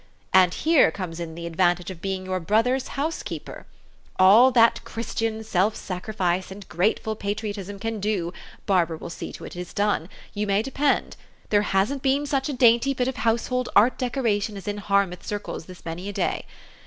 And here comes in the advantage of being your brother's housekeeper. All that Christian self sacrifice and grateful patriot ism can do, Barbara will see to it is done, you THE STORY OF AVIS. 159 may depend. There hasn't been such a dainty bit of household art decoration as that in Harmouth circles this many a day.